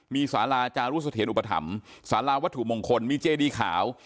มีศาลาจารุสเถียนอุปถรรมศาลาวัตถุมงคลมีเจดีข่าว